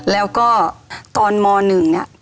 แล้วก็ตอนม๑เนี่ย